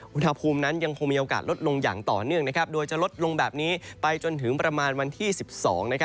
หุณภูมินั้นยังมีโอกาสลดลงและหล่นลดไปในปี๑๒